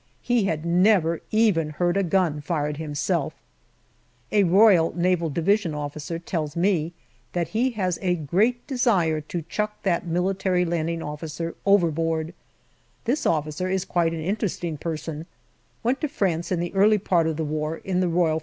He had never even heard a gun fired himself. An R.N.D. officer tells me that he has a great desire to chuck the M.L.O. overboard. This officer is quite an interesting person ; went to France in the early part of the war in the R.F.